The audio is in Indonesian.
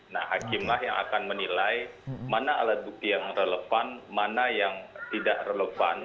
nah hakimlah yang akan menilai mana alat bukti yang relevan mana yang tidak relevan